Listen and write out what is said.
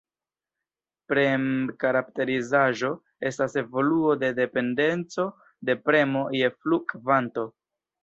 Prem-karakterizaĵo estas evoluo de dependeco de premo je flu-kvanto.